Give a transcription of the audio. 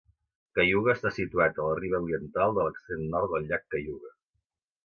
Cayuga està situat a la riba oriental de l'extrem nord del llac Cayuga.